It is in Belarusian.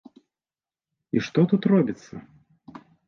І што тут робіцца!